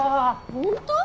本当？